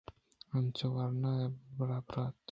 آانچو ورناہ ءُ برٛاہداراَت